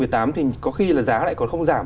thì có khi là giá lại còn không giảm